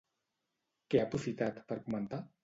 Què ha aprofitat per comentar?